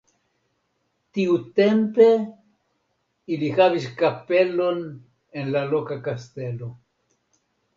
Tiutempe ili havis kapelon en la loka kastelo.